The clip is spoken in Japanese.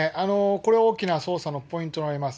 これは大きな捜査のポイントとなります。